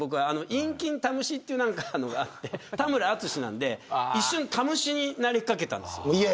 インキンタムシというのがあって田村淳なんで一瞬タムシになりかけたんです。